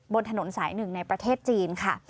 บนถนนสายหนึ่งในประเทศจีนค่ะ